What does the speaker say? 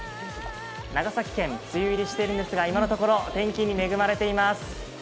長崎県、梅雨入りしているんですが今のところ天気に恵まれています。